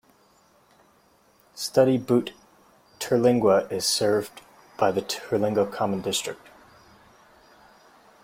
Study Butte-Terlingua is served by the Terlingua Common School District.